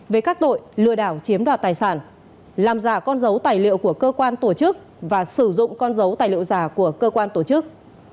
về các tội lừa đảo chiếm đoạt tài sản làm giả con dấu tài liệu của cơ quan tổ chức và sử dụng con dấu tài liệu giả của cơ quan tổ chức